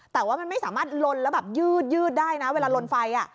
แต่ว่ามันไม่สามารถลนแล้วแบบยืดได้นะเวลาลนไฟ